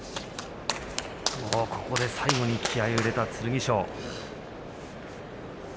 ここで最後に気合いを入れた剣翔。